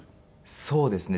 そうですね。